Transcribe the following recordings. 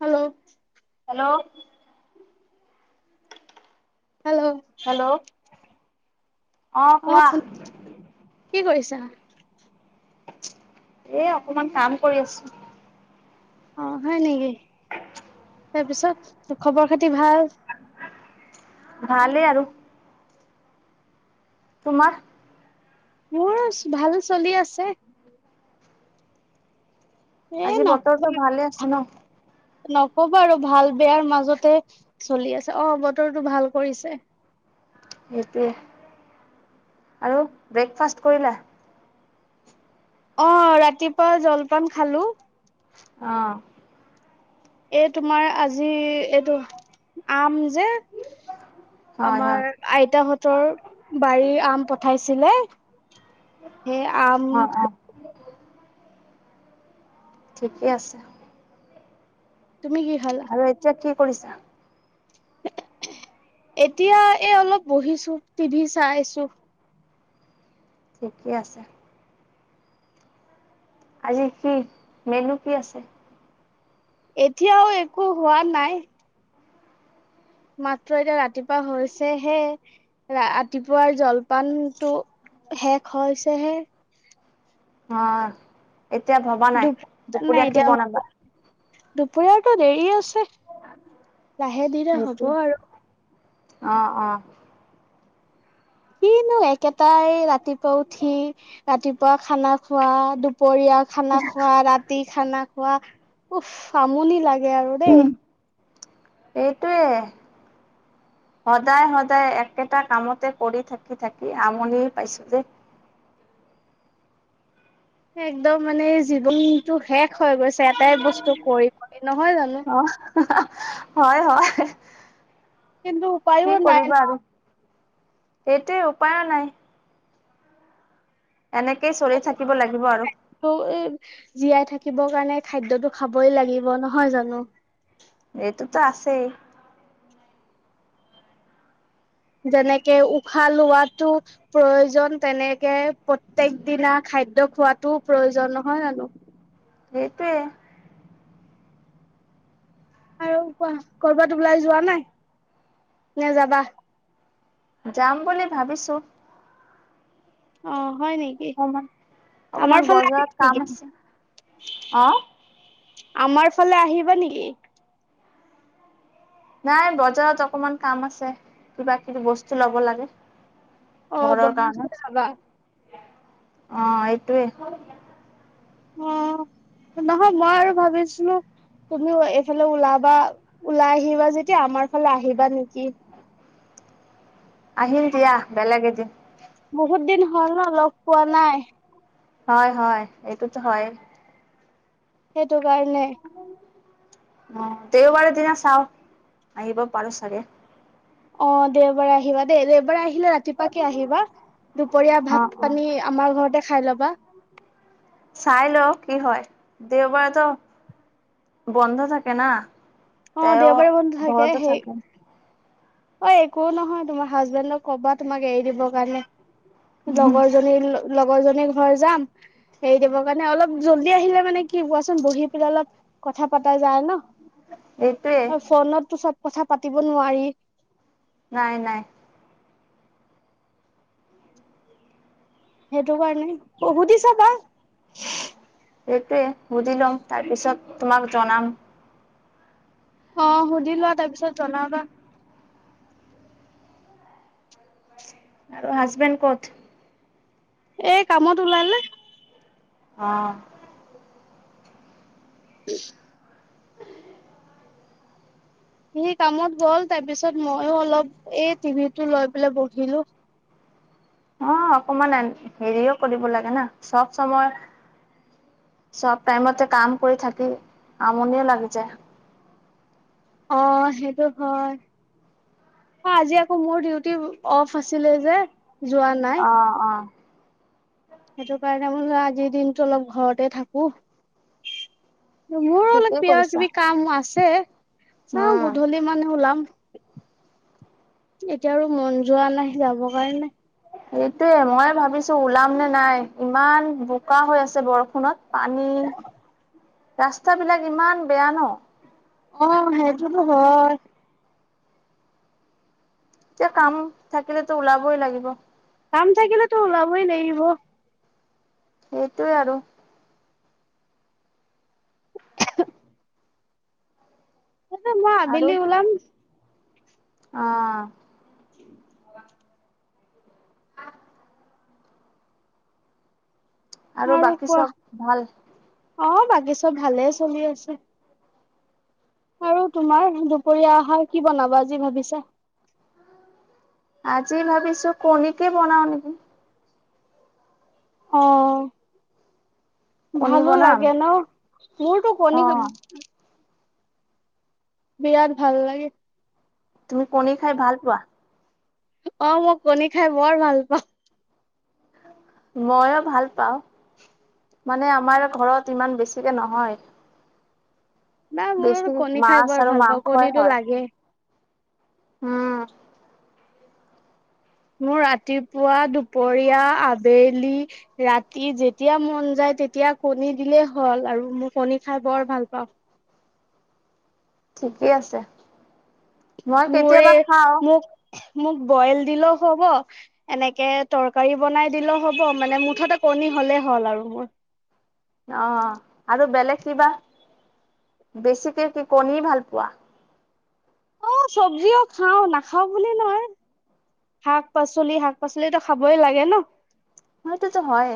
হাল্ল'! Hello! Hello! Hello! অ', কোৱা? কি কৰিছা? এ, অকমান কাম কৰি আছোঁ। অ', হয় নেকি? [inaudible] তাৰপিছত, খবৰ খাতি ভাল? ভালে আৰু। তোমাৰ? মোৰ, ভাল চলি আছে। এ আজি নকবা বতৰটো ভালে আছে ন? নকবা আৰু ভাল বেয়াৰ মাজতে চলি আছে। অ', বতৰটো ভাল কৰিছে। সেইটোৱে আৰু ব্ৰেকফাষ্ট কৰিলা? অ', ৰাতিপুৱা জলপান খালোঁ। অ'। এই, তোমাৰ আজি, এইটো আম যে হয় হয় আমাৰ আইতাহঁতৰ বাৰীৰ আম পঠাইছিলে! সেই আম অ অ খালোঁ। ঠিকে আছে। তুমি কি খালা? আৰু এতিয়া কি কৰিছা? এতিয়া এই অলপ বহিছো টিভি চাইছো ঠিকে আছে আজি কি মেনু কি আছে? এতিয়াও একো হোৱা নাই। মাত্ৰ এতিয়া ৰাতিপুৱা হৈছেহে। ৰাতিপুৱাৰ জলপানতো শেষ হৈছেহে। অ এতিয়া ভবা নাই, দুপৰীয়া কি বনাবা? দুপৰীয়াৰতো দেৰি আছে লাহে ধীৰে সেইটো হব আৰু। অ অ'। সিনো একেটাই ৰাতিপুৱা উঠি ৰাতিপুৱা খানা খোৱা দুপৰীয়া খানা খোৱা ৰাতি খানা খোৱা উহ আমনি লাগে আৰু দেই। এইটোৱে। সদায় সদায় একেটা কামতে কৰি থাকি থাকি আমনিয়ে পাইছো দেই। একদম মানে জীৱনতো শেষ হৈ গৈছে এটাই বস্তু কৰিব নহয় জানো। অ হয় হয় কিন্তু কি উপায়ো নাই কৰিবা আৰু। এইটোৱে উপায়ো নাই। এনেকেই চলি থাকিব লাগিব আৰু। আকৌ এই জীয়াই থাকিবৰ কাৰণে খাদ্যটো খাবই লাগিব নহয় জানো। এইটোতো আছেই। যেনেকে উশাহ লোৱাতো প্ৰয়োজন তেনেকে প্ৰত্যক দিনা খাদ্য খোৱাতোও প্ৰয়োজন নহয় জানো। সেইটোৱে। আৰু কোৱা কৰ'বাত ওলাই যোৱা নাই নে যাবা যাম বুলি ভাবিছো। অ হয় নেকি। অকমান আমাৰ অকমান ফালে আহিবা বজাৰত নেকি? কাম আছে অ। আমাৰ ফালে আহিবা নেকি? নাই বজাৰত অকমান কাম আছে কিবা কিবি বস্তু লব লাগে। অ ঘৰৰ কাৰণে বৰমাছলে যাবা অ এইটোৱে। অ [unintelligible] নহয় মই আৰু ভাবিছিলো তুমিও এইফালে ওলাবা, ওলাই আহিবা যেতিয়া আমাৰ ফালে আহিবা নেকি। আহিম দিয়া বেলগে এদিন। বহুত দিন হ'ল ন লগ পোৱা নাই। হয় হয় এইটোত হয়। সেইটো কাৰণে। অ', দেওবাৰে দিনা চাও আহিব পাৰো চাগে। অ দেওবাৰে আহিবা দেই, দেওবাৰে আহিলে ৰাতিপাকে আহিবা দুপৰীয়া অ', ভাত অ'। পানী আমাৰ ঘৰতে খাই ল'বা। চাই লও কি হয়, দেওবাৰেতো বন্ধ থাকে না। অ তেওঁ দেওবাৰে বন্ধ থাকে ঘৰতে সেই অ একো নহয় তোমাৰ হাজবেণ্ডক কবা তোমাক এৰি দিবৰ কাৰণে। লগৰজনী লগৰজনীৰ ঘৰ যাম হেৰি দিবৰ কাৰণে অলপ জল্দি আহিলে মানে কি কোৱাচোন বহি পেলাই অলপ কথা পতা যায় ন। এইটোৱে। ফোনত তো চব কথা পাতিব নোৱাৰি। নাই নাই। সেইটো কাৰণে, অ সুধিছাবা। সেইটোৱে শুধি লম, তাৰপিছত তোমাক জনাম। অঁ সুধি লোৱা তাৰ পিছত জনাবা। আৰু হাজবেণ্ড ক'ত? এই কামত ওলালে। অঁ। [inaudible] সি কামত গ'ল, তাৰ পিছত মইও অলপ এই টিভিটো লৈ পেলাই বহিলো। অঁ অকমান হেৰিও কৰিব লাগে না, চব চময় চব টাইমতে কাম কৰি থাকি আমনি লাগি যায়। অঁ সেইটো হয়। অঁ আজি আকৌ মোৰ ডিউটি অফ আছিলে যে। যোৱা নাই। অ অঁ। সেইটো কাৰণে বুলো আজিৰ দিনতটো অলপ ঘৰতে থাকো। মোৰো অলপ ঠিকেই কিবা কৰিছা। কিবি কাম আছে। চাওঁ উম। গধূলি মানে ওলাম। এতিয়া আৰু মন যোৱা নাই যাবৰ কাৰণে। সেইটোৱে মই ভাবিছো ওলাম নে নাই, ইমান বোকা হৈ আছে বৰষুণত পানী ৰাস্তা বিলাক ইমান বেয়া ন। অঁ সেইতোটো হয়। এতিয়া কাম থাকিলেতো ওলাবই লাগিব। কাম থাকিলেতো ওলাবই লাগিব। সেইটোৱে আৰু। তাপিছত মই আবেলি ওলাম। অঁ। আৰু বাকী চব ভাল। অঁ বাকি চব ভালে চলি আছে। আৰু তোমাৰ দুপৰীয়া আহাৰ কি বনাবা আজি ভাবিছা? আজি ভাবিছো কণীকে বনাও নেকি। অঁ কণী ভালো বনাম লাগে ন, মোৰতো অ কণী খা বিৰাত ভাল লাগে। তুমি কণী খাই ভাল পোৱা। অঁ মই কণী খাই বৰ ভাল মইয়ো ভাল পাওঁ, মানে আমাৰ ঘৰত ইমান বেছিকে নহয়। নাই মোৰ বেছি কণী খাই মাছ বৰ আৰু ভাল পাওঁ মাংসই কণীটো হয় লাগে। উম। মোৰ ৰাতিপুৱা দুপৰীয়া আবেলি ৰাতি যেতিয়া মন যায় তেতিয়া কণী দিলেই হ'ল আৰু মোৰ কণী খাই বৰ ভাল পাওঁ। ঠিকেই আছে। মই মোৰ কেতিয়াবা এই খাওঁ মোক মোক বইল দিলো হব। এনেকে তৰকাৰী বনাই দিলো হ'ব, মানে মুঠতে কণী হ'লেই হ'ল আৰু মোৰ অঁ! আৰু বেলেগ কিবা বেছিকে কি কণী ভাল পোৱা? অ', চব্জিও খাওঁ নাখাওঁ বুলি নহয় শাক-পাচলি, শাক-পাচলিতো খাবই লাগে ন। সেইটোতো হয়।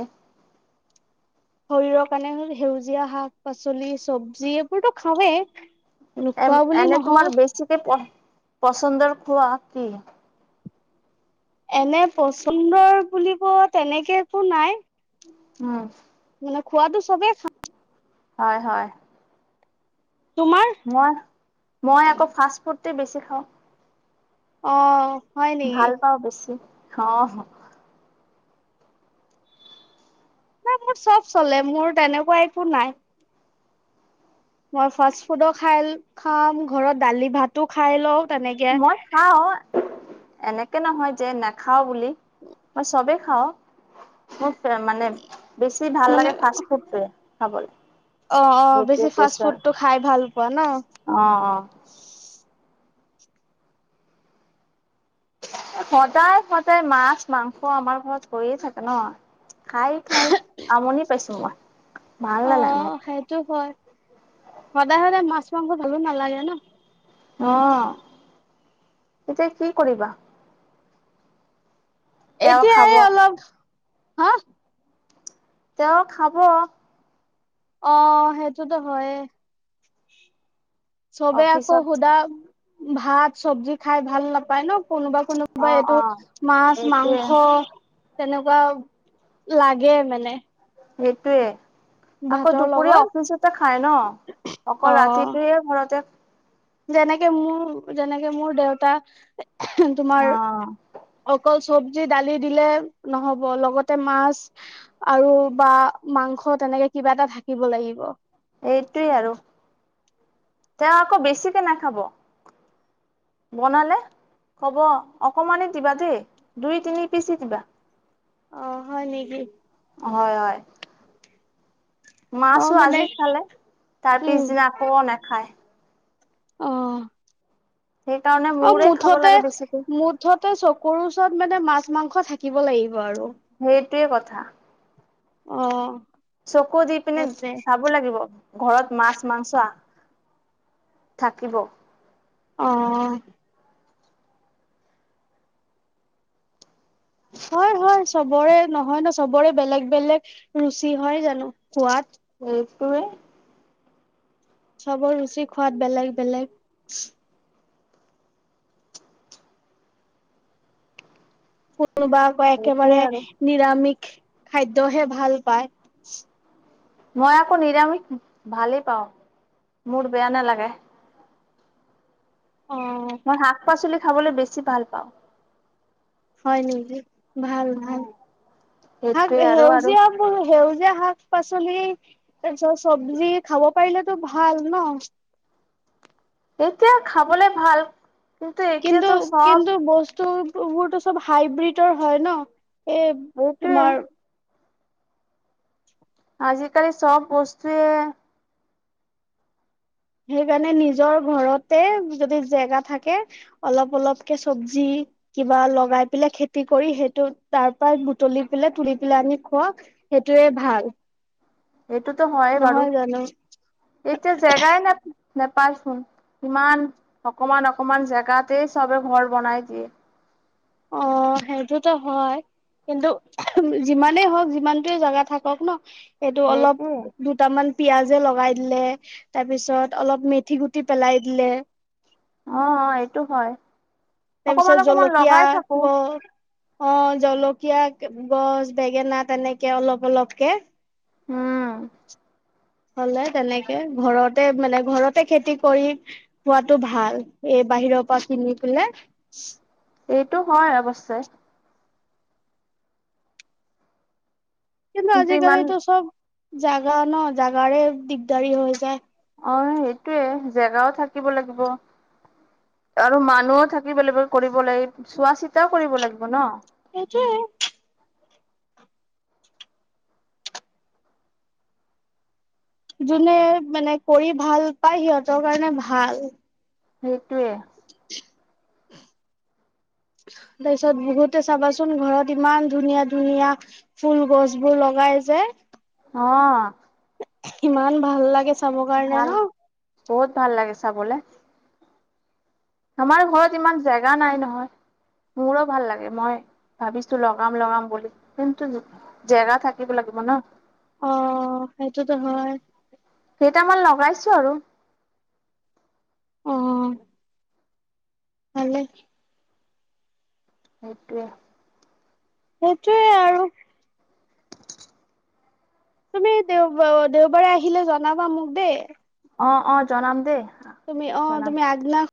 শৰীৰৰ কাৰণে সেউজীয়া শাক-পাচলি, চবজি এইবোৰতো খাওঁৱেই। এ নোখোৱা বুলি এনে নহয় তোমাৰ বেছিকে পচন্দৰ খোৱা কি? এনেই পচন্দৰ বুলিব তেনেকে একো নাই। উম। মানে খোৱাটো চবে খা হয়-হয়। তোমাৰ? মই-মই আকৌ ফাষ্ট ফুডতে বেছি খাওঁ। অ! হয় নেকি ভাল পাওঁ বেছি অঁ। নাই মোৰ চব চলে মোৰ তেনেকুৱা একো নাই। মই ফাষ্ট ফুডো খাই খাম, ঘৰত দালি-ভাতো খাই লওঁ তেনেকে। মই খাওঁ [inaudible] এনেকে নহয় যে নেখাওঁ বুলি মই চবে খাওঁ। মোৰ ফে মানে, বেছি ভাল মানে লাগে ফাষ্ট ফুডটোৱে খাবলে। অঁ-অঁ! বেছি ফাষ্ট ফুডটো খাই ভাল পোৱা ন। অঁ-অঁ! সদায়-সদায় মাছ, মাংস আমাৰ ঘৰত হৈয়েই থাকে ন। খাই-খাই আমনি পাইছোঁ মই। ভাল নালাগে অঁ! মোক সেইটো হয়। সদায়-সদায় মাছ, মাংস ভালো নালাগে ন। অঁ! এতিয়া কি কৰিবা? তেওঁ এতিয়া খাব এই অলপ হা তেওঁ খাব। অঁ! সেইটোতো হয়ে, চবে আকৌ অফিচত সোদা ভাত, চব্জি খাই ভাল নাপায় ন কোনোবা কোনো অ বাই এইটো অ মাছ, এইটোৱে মাংস তেনেকুৱা লাগে মানে। সেইটোৱে। আকৌ ভাতৰ দুপৰীয়া লগত অফিচতে খাই ন। অ অকল ৰাতিটোৱে ঘৰতে যেনেকে মোৰ, যেনেকে মোৰ দেউতা [unintelligible] অ তোমাৰ অকল চব্জি, দালি দিলে নহ'ব লগতে মাছ। আৰু বা মাংস তেনেকে কিবা এটা থাকিব লাগিব। এইটোৱে আৰু। তেওঁ আকৌ বেছিকে নাখাব। বনালে কব অকমানি দিবা দেই দুই, তিনি পিচেই দিবা। অঁ! হয় নেকি? হয়-হয়। অ মাছো মানে আজি খালে, তাৰ উম পিছদিনা আকৌ নেখায়। অঁ! সেইকাৰণে অঁ! মোৰে খাব লাগে বেছিকে মুঠতে-মুঠতে চকুৰ ওচৰত মানে মাছ, মাংস থাকিব লাগিব আৰু। সেইটোৱেই কথা। অ। চকু দি পিনে সেইটোৱে চা ব লাগিব ঘৰত মাছ, মাংস থাকিব। অ' অ '। হয়, হয় চবৰে নহয় ন, চবৰে বেলেগ বেলেগ ৰুচি হয় জানো খোৱাত। সেইটোৱে। চবৰ ৰুচি খোৱাত বেলেগ বেলেগ। কোনোবা আকৌ একেবাৰে সেইটোৱে আৰু নিৰামিষ খাদ্যহে ভাল পায়। মই আকৌ নিৰামিষ ভালেই পাওঁ, মোৰ বেয়া নালাগে। অঁ। মই শাক-পাচলি খাবলে বেছি ভাল পাওঁ। হয় নেকি ভাল ভাল, শাক, সেইটোৱে আৰু আৰু সেউজীয়া উম' সেউজীয়া শাক-পাচলি, চব্জি খাব পাৰিলেতো ভাল ন। এতিয়া খাবলে ভাল, কিন্তু এতিয়াতো চব তো বোৰতো চব হাইব্ৰীটৰ হয় ন, এই এইটোৱে তোমাৰ আজিকালি চব বস্তুৱে সেইকাৰণে নিজৰ ঘৰতে যদি জেগা থাকে অলপ অলপকে চব্জি কিবা লগাই পেলাই খেতি কৰি, সেইটো তাপা বুটলি পেলাই তুলি পেলাই আনি খোৱক। সেইটোয়ে ভাল। এইটোতো হয়ে বাৰু, নহয় জানো এতিয়া জেগাই নে নেপায়চোন। ইমান অকমান অকমান জেগাতে চবে ঘৰ বনাই দিয়ে। অ সেইটোতো হয়। কিন্তু যিমানেই হওঁক যিমানটোৱে জাগা থাকক ন, এইটো অলপ দু সেইটোৱে। দুটামান পিয়াজে লগাই দিলে, তাৰ পিছত অলপ মেথি গুটি পেলাই দিলে। অ অ এইটো হয়। তাৰপিছত অকমান অকমান লগাই থাকো জলকীয়া গ। অ জলকীয়া গছ, বেঙেনা তেনেকে অলপ অলপকে। হম। হ'লে তেনেকে ঘৰতে মানে ঘৰতে খেতি কৰি। খোৱাটো ভাল, এ বাহিৰৰ পৰা কিনি পেলে। এইটো হয় অৱশ্যে। কিন্তু আজিকালিতো চব জাগা ন, জাগাৰে দিগদাৰি হৈ যায়। অ সেইটোয়ে জেগাও থাকিব লাগিব। আৰু মানুহও থাকিব লাগিব, কৰিব লাগিব চোৱা চিতাও কৰিব লাগিব ন। সেইটোৱে। যোনে মানে কৰি ভাল পায় সিহঁতৰ কাৰণে ভাল। সেইটোৱে। [unintelligible] তাৰপিছত বহুতে চাবাচোন ঘৰত ইমান ধুনীয়া ধুনীয়া। ফুল গছবোৰ লগাই যে। অ। সিমান ভাল লাগে চাবৰ কাৰণে ভাল ন? বহুত ভাল লাগে চাবলে। আমাৰ ঘৰত ইমান জেগা নাই নহয়। মোৰো ভাল লাগে মই ভাবিছোঁ লগাম লগাম বুলি কিন্তু যি জেগা থাকিব লাগিব ন অ', সেইটোতো হয়। কেইটামান লগাইছো আৰু। অ'। ভালেই। সেইটোৱে। সেইটোৱে আৰু। তুমি দেওবা আ, দেওবাৰে আহিলে জনাবা মোক দেই। অ', অ', জনাম দেই। তুমি অ', জনাম তুমি আগদিনা